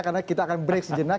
karena kita akan break sejenak